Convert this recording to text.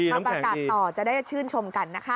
มาประกาศต่อจะได้ชื่นชมกันนะคะ